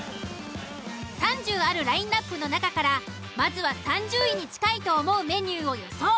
３０あるラインアップの中からまずは３０位に近いと思うメニューを予想。